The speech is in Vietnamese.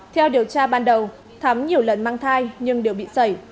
theo điều tra ban đầu thắm nhiều lần mang thai nhưng đều bị sẩy